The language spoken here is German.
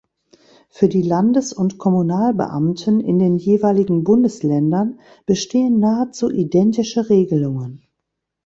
Für die "Landes- und Kommunalbeamten" in den jeweiligen Bundesländern bestehen nahezu identische Regelungen.